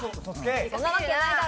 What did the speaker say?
そんなわけないだろ。